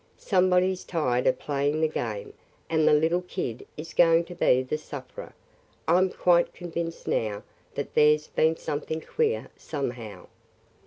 "Somebody's tired of 'playing the game' and the little kid is going to be the sufferer. I 'm quite convinced now that there 's been something queer somehow!"